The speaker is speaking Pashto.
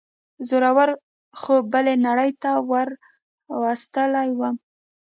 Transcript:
زوره ور خوب بلې نړۍ ته وروستلی وم.